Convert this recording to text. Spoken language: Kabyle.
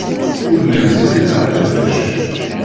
Ur lliɣ ssirideɣ iqbac.